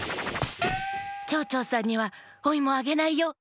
「ちょうちょうさんにはおイモあげないよ！」。